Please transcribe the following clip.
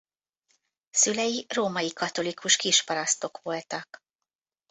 Szülei római katolikus kisparasztok voltak.